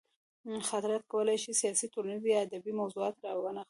خاطرات کولی شي سیاسي، ټولنیز یا ادبي موضوعات راونغاړي.